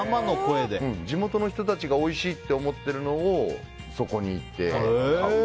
地元の人たちがおいしいって思ってるのをそこに行って。